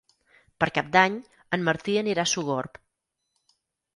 Per Cap d'Any en Martí anirà a Sogorb.